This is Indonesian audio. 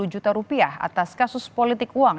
dua puluh juta rupiah atas kasus politik uang